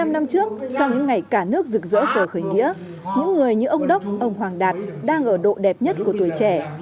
bảy mươi năm năm trước trong những ngày cả nước rực rỡ cờ khởi nghĩa những người như ông đốc ông hoàng đạt đang ở độ đẹp nhất của tuổi trẻ